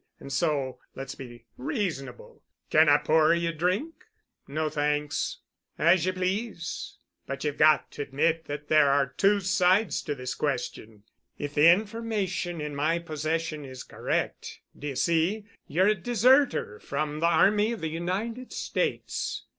And so—let's be reasonable. Can I pour ye a drink?" "No, thanks——" "As ye please. But ye've got to admit that there are two sides to this question. If the information in my possession is correct, d'ye see, ye're a deserter from the army of the United States.